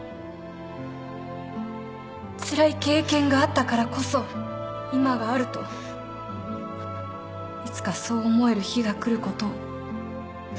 つらい経験があったからこそ今があるといつかそう思える日が来ることを。